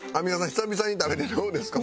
久々に食べてどうですか？